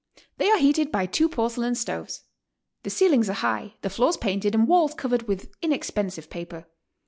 They are heated by two porce lain stoves. The ceilings are high, the floors painted and walls covered with inexpensive paper.